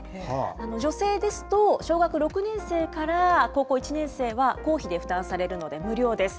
女性ですと、小学６年生から高校１年生は公費で負担されるので無料です。